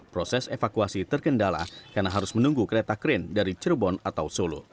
proses evakuasi terkendala karena harus menunggu kereta kren dari cirebon atau solo